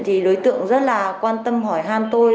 thì đối tượng rất là quan tâm hỏi han tôi